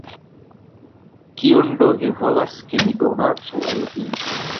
Kion do vi volas, ke mi donacu al vi?